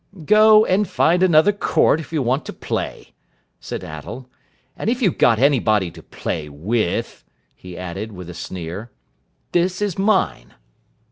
"Go and find another court, if you want to play," said Attell, "and if you've got anybody to play with," he added with a sneer. "This is mine."